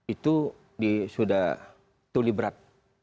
itu sudah tuli berat